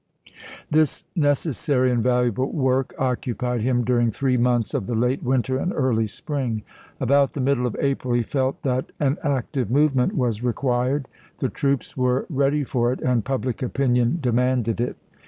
p hs." This necessary and valuable work occupied him during three months of the late winter and early spring. About the middle of April he felt that an i863. active movement was required. The troops were «Battie8 ready for it and public opinion demanded it.